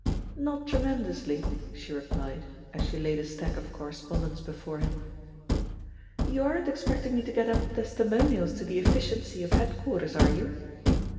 "Not tremendously," she replied, as she laid a stack of correspondence before him. "You aren't expecting me to get up testimonials to the efficiency of head quarters, are you?"